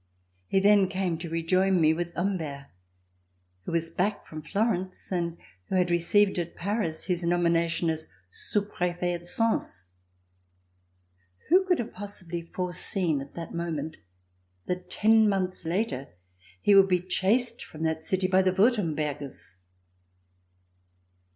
He then came to rejoin me with Humbert, who was back from Florence and who had received at Paris his nomina AN AUDIENCE Will I NAPOLEON tion as sous prefet at Sens. Wlio could have possibly foreseen at that moment that ten months later he would be chased from that city by theWurtembergers?